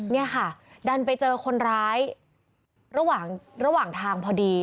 นี่ค่ะดันไปเจอคนร้ายระหว่างทางพอดี